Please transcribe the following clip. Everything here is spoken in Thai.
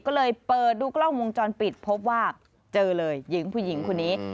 ก็เลยเปิดดูกล้องวงจรปิดพบว่าเจอเลยหญิงผู้หญิงคนนี้